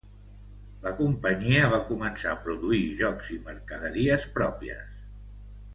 La companyia va començar a produir jocs i mercaderies pròpies.